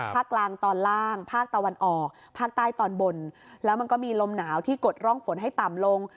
ภาคกลางตอนล่างภาคตะวันออกภาคใต้ตอนบนแล้วมันก็มีลมหนาวที่กดร่องฝนให้ต่ำลง